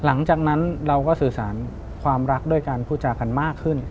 หลังจากนั้นเราก็สื่อสารความรักด้วยการพูดจากันมากขึ้น